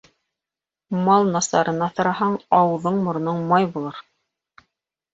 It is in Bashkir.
Мал насарын аҫыраһаң, ауыҙың-мороноң май булыр